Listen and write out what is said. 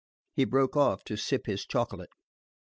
He broke off to sip his chocolate.